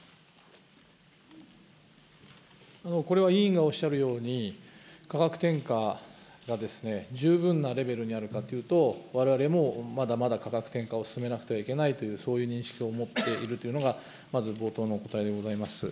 これは委員がおっしゃるように、価格転嫁が十分なレベルにあるかというと、われわれもまだまだ価格転嫁を進めなくてはいけないという、そういう認識を持っているというのが、まず冒頭のお答えでございます。